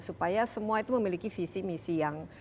supaya semua itu memiliki visi misi yang